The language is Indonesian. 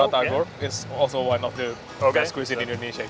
ini juga salah satu kuisin indonesia